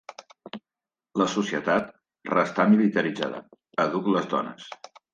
La societat restà militaritzada, àdhuc les dones.